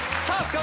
さあ